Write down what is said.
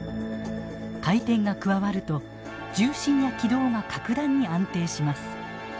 回転が加わると重心や軌道が格段に安定します。